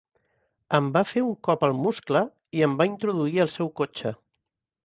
Em va fer un cop al muscle i em va introduir al seu cotxe.